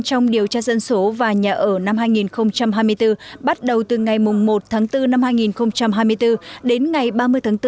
trong điều tra dân số và nhà ở năm hai nghìn hai mươi bốn bắt đầu từ ngày một tháng bốn năm hai nghìn hai mươi bốn đến ngày ba mươi tháng bốn